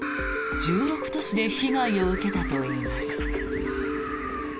１６都市で被害を受けたといいます。